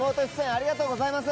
ありがとうございます。